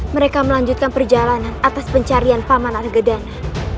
mereka melanjutkan perjalanan atas pencarian paman argedana